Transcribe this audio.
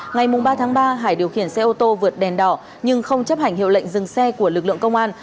ngày ba tháng ba hải điều khiển xe ô tô vượt đèn đỏ nhưng không chấp hành hiệu lệnh dừng xe của lực lượng công an